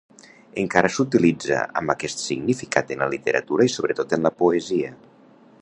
Encara s'utilitza amb aquest significat en la literatura i sobretot en la poesia.